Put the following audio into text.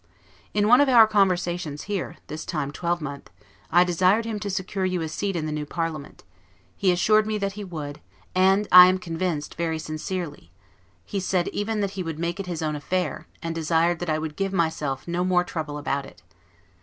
In one of our conversations here, this time twelvemonth, I desired him to secure you a seat in the new parliament; he assured me that he would, and, I am convinced, very sincerely; he said even that he would make it his own affair; and desired that I would give myself no more trouble about it.